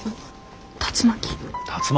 竜巻。